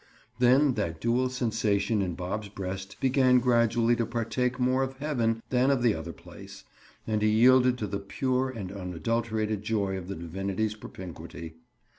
Then that dual sensation in Bob's breast began gradually to partake more of heaven than of the other place, and he yielded to the pure and unadulterated joy of the divinity's propinquity.